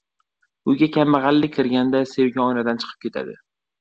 • Uyga kambag‘allik kirganda sevgi oynadan chiqib ketadi.